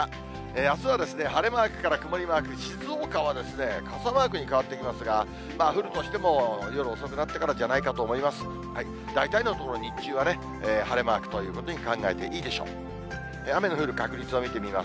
あすは晴れマークから曇りマーク、静岡はですね、傘マークに変わってきますが、降るとしても、夜遅くなってからじゃないかと思います。